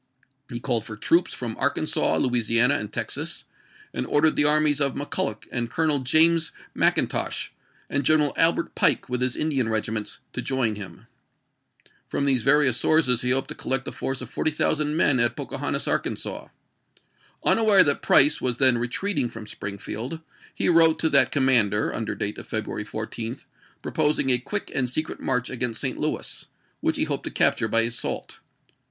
He called for troops from Arkansas, Louisiana, and Texas, and ordered the armies of McCulloch and Colonel James Mcin tosh, and General Albert Pike with his Indian regi ments, to join him. From these various sources he hoped to collect a force of 40,000 men at Pocahontas, Arkansas. Unaware that Price was then retreating from Springfield, he wrote to that commander, under date of February 14, proposing a quick and secret march against St. Louis, which he hoped to capture by assault.